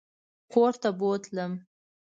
کورته بوتلم.